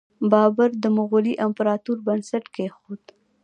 بابر د مغولي امپراتورۍ بنسټ کیښود.